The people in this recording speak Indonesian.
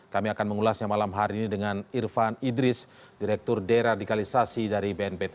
kami akan mengulasnya malam hari ini dengan irfan idris direktur deradikalisasi dari bnpt